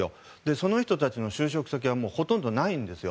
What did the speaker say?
その人たちの就職先はほとんどないんですよ。